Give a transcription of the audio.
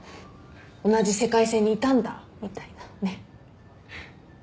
同じ世界線にいたんだみたいなねっ。